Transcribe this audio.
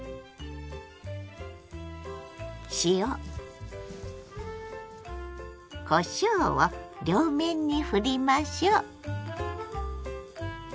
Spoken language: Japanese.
塩こしょうを両面にふりましょう。